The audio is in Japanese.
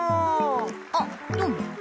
あどうも。